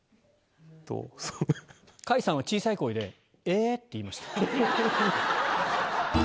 甲斐さんは小さい声で「え」って言いました。